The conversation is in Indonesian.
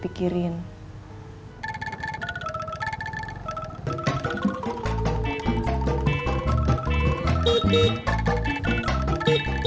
terus cache ake kan kan